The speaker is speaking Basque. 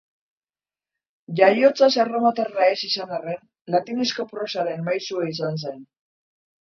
Jaiotzaz erromatarra ez izan arren, latinezko prosaren maisua izan zen.